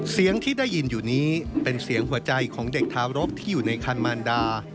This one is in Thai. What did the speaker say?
เสียงที่ได้ยินอยู่นี้เป็นเสียงหัวใจของเด็กทารกที่อยู่ในคันมารดา